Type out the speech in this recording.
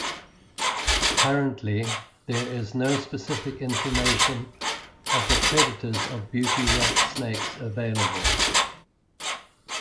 Currently, there is no specific information of the predators of beauty rat snakes available.